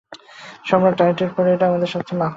সম্রাট টাটের পর এটাই আমাদের সবচেয়ে মাখন আবিষ্কার!